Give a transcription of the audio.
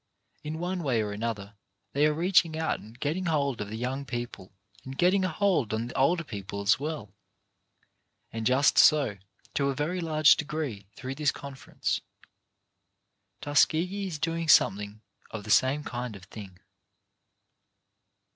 In one way or another they are reaching out and getting hold of the young people — and getting a hold on the older people as well. And just so, to a very large degree, through this Conference, Tuskegee is do ing something of the same kind of thing.